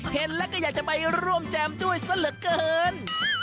เห็นแล้วก็อยากจะไปร่วมแจมด้วยซะเหลือเกิน